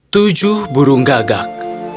tujuh burung gagak